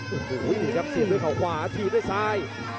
โอ้โหยังเสียบด้วยข่าวขวาเทียบด้วยซ้าย